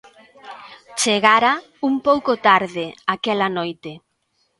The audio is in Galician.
Chegara un pouco tarde aquela noite.